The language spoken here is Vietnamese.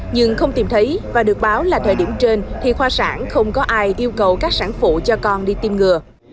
nhưng không tìm thấy và được báo là thời điểm trên thì khoa sản không có ai yêu cầu các sản phụ cho con đi tiêm ngừa